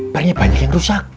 barunya banyak yang rusak